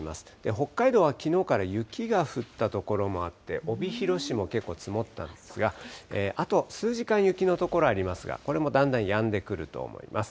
北海道はきのうから雪が降った所もあって、帯広市も結構積もったんですが、あと数時間、雪の所ありますが、これもだんだんやんでくると思います。